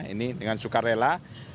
ini dengan sukarela